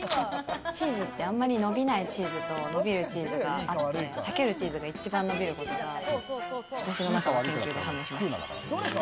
チーズって、あんまりのびないチーズとのびるチーズがあるので、さけるチーズが一番伸びることが、私の中の研究で判明しました。